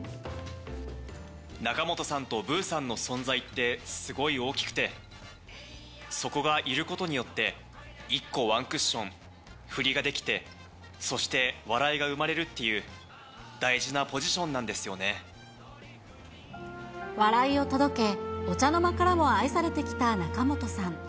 仲本さんとブーさんの存在って、すごい大きくて、そこがいることによって、１個ワンクッション、振りができて、そして笑いが生まれるっていう、大事なポジション笑いを届け、お茶の間からも愛されてきた仲本さん。